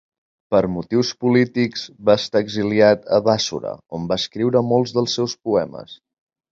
Per motius polítics va estar exiliat a Bàssora on va escriure molts dels seus poemes.